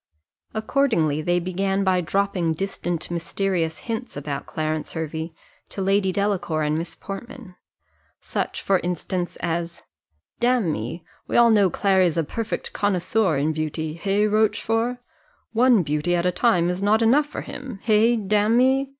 Accordingly they began by dropping distant mysterious hints about Clarence Hervey to Lady Delacour and Miss Portman. Such for instance as "Damme, we all know Clary's a perfect connoisseur in beauty hey, Rochfort? one beauty at a time is not enough for him hey, damme?